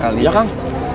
kak lia kang